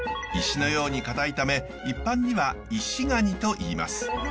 石のように硬いため一般にはイシガニといいます。